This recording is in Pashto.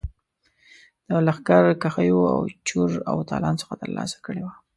د لښکرکښیو او چور او تالان څخه ترلاسه کړي وه.